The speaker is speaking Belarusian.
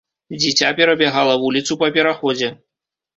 Дзіця перабягала вуліцу па пераходзе.